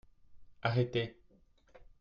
Arrêtez !